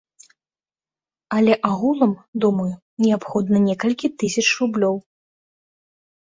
Але агулам, думаю, неабходна некалькі тысяч рублёў.